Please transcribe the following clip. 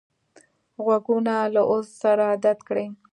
غوږونه له عذر سره عادت کړی